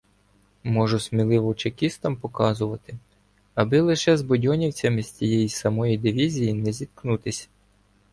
Можу сміливо чекістам показувати, аби лише з будьонівцями з тієї самої дивізії не зіткнутися.